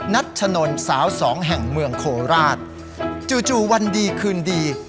ัชนนสาวสองแห่งเมืองโคราชจู่จู่วันดีคืนดี